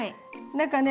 何かね